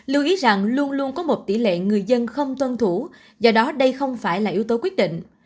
lưu ý rằng luôn luôn có một tỷ lệ người dân không tuân thủ do đó đây không phải là yếu tố quyết định